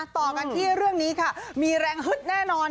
ต่อกันที่เรื่องนี้ค่ะมีแรงฮึดแน่นอน